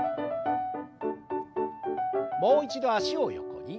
もう一度脚を横に。